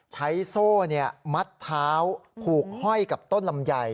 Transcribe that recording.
โซ่มัดเท้าผูกห้อยกับต้นลำไย